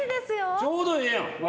ちょうどええやん。